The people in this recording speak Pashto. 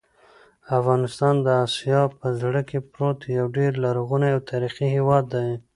افغانستان د اسیا په زړه کې پروت یو ډېر لرغونی او تاریخي هېواد دی.